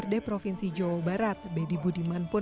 tiga dua satu